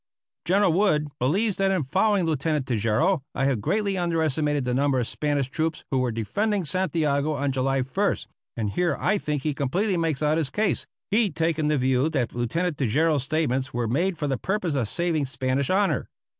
General Wood believes that in following Lieutenant Tejeiro I have greatly underestimated the number of Spanish troops who were defending Santiago on July 1st, and here I think he completely makes out his case, he taking the view that Lieutenant Tejeiro's statements were made for the purpose of saving Spanish honor.